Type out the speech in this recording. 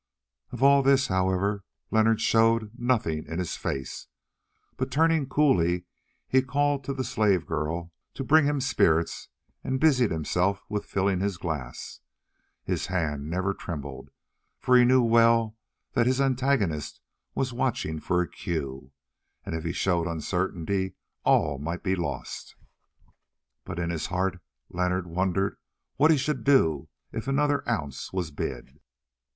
Of all this, however, Leonard showed nothing in his face, but turning coolly he called to a slave girl to bring him spirits and busied himself with filling his glass. His hand never trembled, for he knew well that his antagonist was watching for a cue, and if he showed uncertainty all might be lost. But in his heart, Leonard wondered what he should do if another ounce was bid.